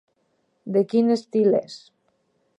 De quin estil és?